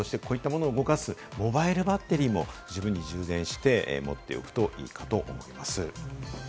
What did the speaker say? ラジオ、スマホ、そしてこういったものを動かすモバイルバッテリーも充電して持っておくといいかと思います。